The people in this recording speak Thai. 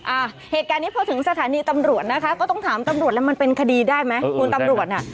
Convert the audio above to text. อ่าเหตุการณ์นี้พอถึงสถานีตำรวจนะคะก็ต้องถามตำรวจแล้วมันเป็นคดีได้ไหมคุณตำรวจน่ะ